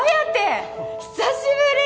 久しぶり！